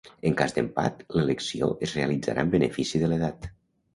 En cas d'empat, l'elecció es realitzarà en benefici de l'edat.